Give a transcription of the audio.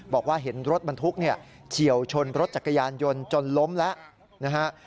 บอกว่าเห็นรถบรรทุกเนี่ยเฉียวชนรถจักรยานยนต์จนล้มแล้วนะฮะ